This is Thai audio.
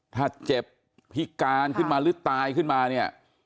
ถ้าเจ็บพิการขึ้นมาหรือตายขึ้นมาเนี่ย